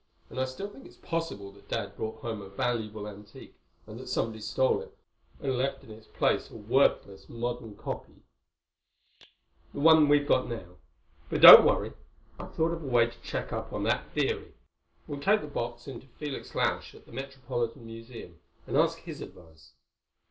"And I still think it's possible that Dad brought home a valuable antique, and that somebody stole it and left in its place a worthless modern copy—the one we've got now. But don't worry. I've thought of a way to check up on that theory. We'll take the box in to Felix Lausch at the Metropolitan Museum and ask his advice."